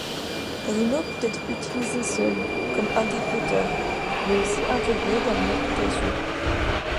Rhino peut être utilisé seul, comme interpréteur, mais aussi intégré dans une application.